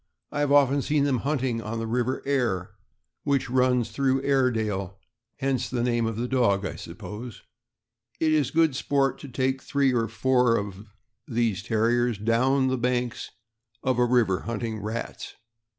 I have often seen them hunting on the River Aire, which runs through Airedale; hence the name of the dog, I suppose. It is good sport to take three or four of these Terriers down the banks of a river hunting rats.